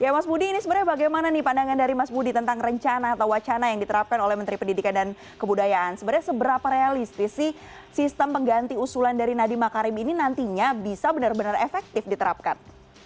ya mas budi ini sebenarnya bagaimana nih pandangan dari mas budi tentang rencana atau wacana yang diterapkan oleh menteri pendidikan dan kebudayaan sebenarnya seberapa realistis sih sistem pengganti usulan dari nadiem makarim ini nantinya bisa benar benar efektif diterapkan